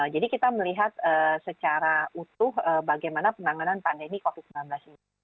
jadi kita melihat secara utuh bagaimana penanganan pandemi covid sembilan belas ini